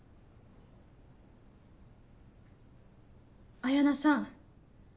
彩菜さん。